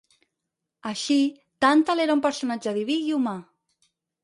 Així, Tàntal era un personatge diví i humà.